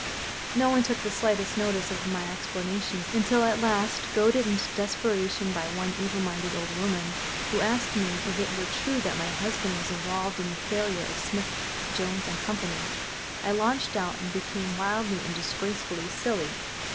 No one took the slightest notice of my explanations, until at last, goaded into desperation by one evil minded old woman, who asked me if it were true that my husband was involved in the failure of Smith, Jones & Co., I launched out and became wildly and disgracefully silly.